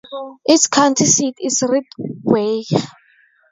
Its county seat is Ridgway.